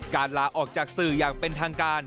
ลาออกจากสื่ออย่างเป็นทางการ